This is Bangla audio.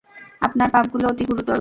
আপনার পাপগুলো অতি গুরুতর।